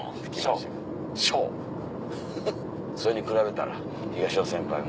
それに比べたら東野先輩も。